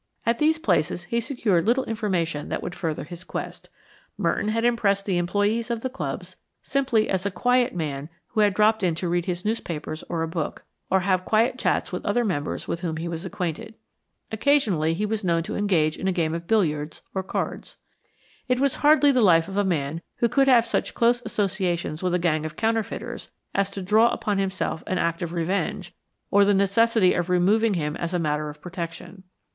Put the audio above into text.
At these places he secured little information that would further his quest. Merton had impressed the employees of the clubs simply as a quiet man who had dropped in to read his newspaper or book, or have quiet chats with other members with whom he was acquainted. Occasionally he was known to engage in a game of billiards or cards. It was hardly the life of a man who could have such close associations with a gang of counterfeiters as to draw upon himself an act of revenge or the necessity of removing him as a matter of protection.